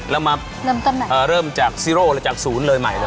แล้วมาเริ่มจากซีโร่และจากศูนย์เลยใหม่เลย